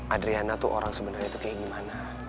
adriana tuh orang sebenarnya itu kayak gimana